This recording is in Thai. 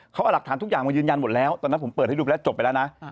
เขาเอาหลักฐานทุกอย่างมายืนยันหมดแล้วตอนนั้นผมเปิดให้ดูแล้วจบไปแล้วนะ